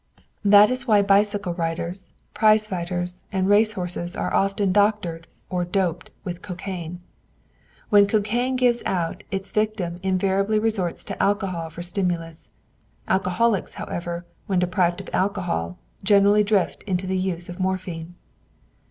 That is why bicycle riders, prize fighters, and race horses are often doctored, or "doped," with cocaine. When cocaine gives out, its victim invariably resorts to alcohol for stimulus; alcoholics, however, when deprived of alcohol, generally drift into the use of morphine.